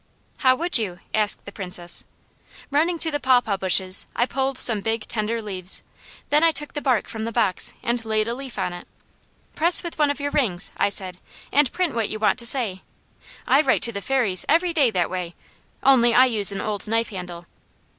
"How would you?" asked the Princess. Running to the pawpaw bushes I pulled some big tender leaves. Then I took the bark from the box and laid a leaf on it. "Press with one of your rings," I said, "and print what you want to say. I write to the Fairies every day that way, only I use an old knife handle."